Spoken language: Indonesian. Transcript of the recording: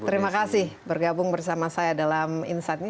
terima kasih bergabung bersama saya dalam insight ini